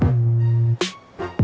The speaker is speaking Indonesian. gak usah gak apa apa